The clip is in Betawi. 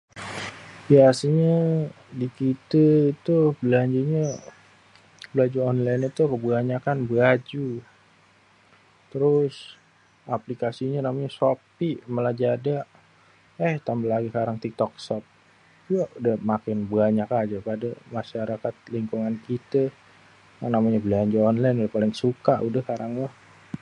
ya aslinyé di kité tuh belanja onlen itu hubungannya kan baju.. terus aplikasinya namanya shopii ama lajada.. éhh tambah lagi sekarang tiktok shop.. wah udah makin banyak aja pada.. masyarakat lingkungan kité yang namanya belanja onlen ya suka sekarang mah..